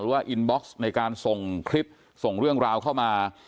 ว่าอินบ็อกซ์ในการส่งคลิปส่งเรื่องราวเข้ามา